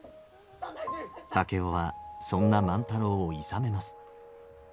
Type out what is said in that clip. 竹雄はそんな万太郎をいさめます。